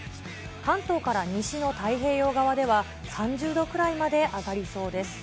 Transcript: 関東から西の太平洋側では、３０度くらいまで上がりそうです。